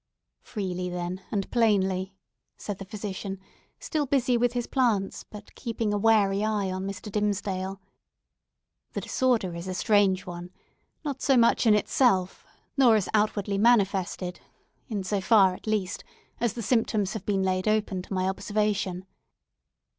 "Freely then, and plainly," said the physician, still busy with his plants, but keeping a wary eye on Mr. Dimmesdale, "the disorder is a strange one; not so much in itself nor as outwardly manifested,—in so far, at least as the symptoms have been laid open to my observation.